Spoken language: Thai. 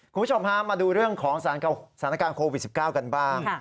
คุณผู้ชมฮะมาดูเรื่องของสถานการณ์โควิด๑๙กันบ้าง